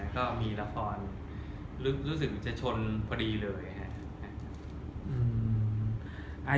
ก็มีละครรู้สึกจะชนพอดีเลยครับ